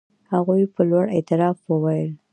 هغوی په لوړ اعتراف وویل.